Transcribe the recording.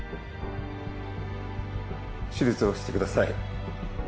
手術をしてください